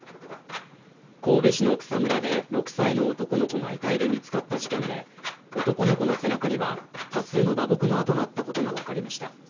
神戸市の草むらで６歳の男の子が遺体で見つかった事件で、男の子の背中には多数の打撲の痕があったことがわかりました。